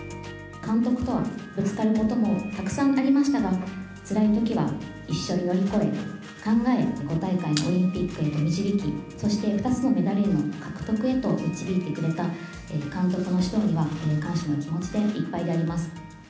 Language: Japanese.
監督とはぶつかることもたくさんありましたが、つらいときは一緒に乗り越え、考え、５大会のオリンピックへと導き、そして２つのメダルへの獲得へと導いてくれた監督の指導には、感謝の気持ちでいっぱいであります。